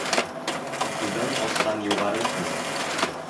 Түбән осҡан юғары ҡуныр.